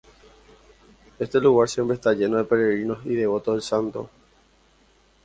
Este lugar siempre está lleno de peregrinos y devotos del santo.